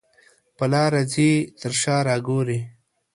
په لاره ځې تر شا را ګورې.